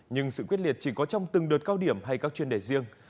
nhưng sự quyết liệt chỉ có trong từng đợt cao điểm hay các chuyên đề riêng